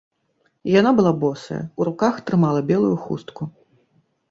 Яна была босая, у руках трымала белую хустку.